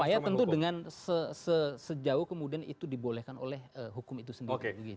saya tentu dengan sejauh kemudian itu dibolehkan oleh hukum itu sendiri